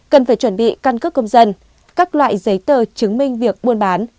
cần phải chuẩn bị căn cước công dân các loại giấy tờ chứng minh việc buôn bán